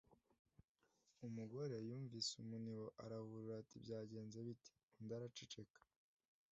umugore yumvise umuniho arahurura atibyagenze bite? undi araceceka